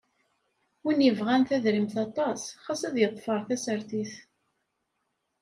Win yebɣan tadrimt aṭas xas ad yeḍfeṛ tasartit.